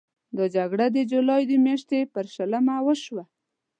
دا جګړه د جولای د میاشتې پر شلمه وشوه.